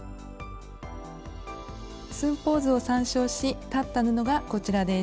寸法図を参照し裁った布がこちらです。